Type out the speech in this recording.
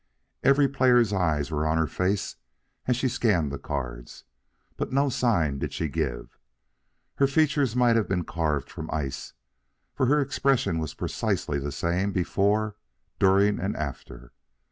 Every player's eyes were on her face as she scanned the cards, but no sign did she give. Her features might have been carved from ice, for her expression was precisely the same before, during, and after.